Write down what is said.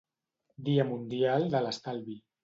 Dia mundial de l'estalvi.